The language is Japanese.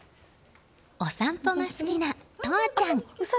お散歩が好きな都蒼ちゃん。